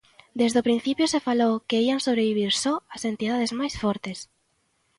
"Desde o principio se falou que ían sobrevivir só as entidades máis fortes".